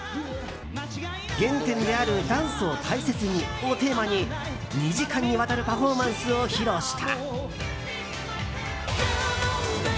「原点であるＤＡＮＣＥを大切に」をテーマに２時間にわたるパフォーマンスを披露した。